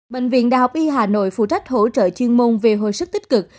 bệnh viện đại học y hà nội phụ trách hỗ trợ chuyên môn về hồi sức tích cực